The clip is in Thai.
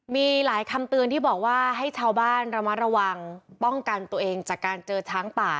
มีหลายคำเตือนที่บอกว่าให้ชาวบ้านระมัดระวังป้องกันตัวเองจากการเจอช้างป่า